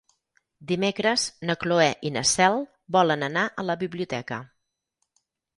Dimecres na Cloè i na Cel volen anar a la biblioteca.